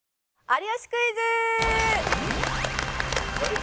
『有吉クイズ』！